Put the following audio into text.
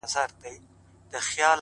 لاسو كې توري دي لاسو كي يې غمى نه دی.